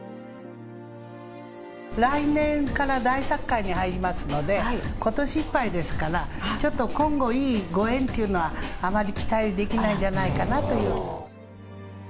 来年から大殺界に入りますので、ことしいっぱいですから、ちょっと今後、いいご縁というのはあまり期待できないんじゃないかなと。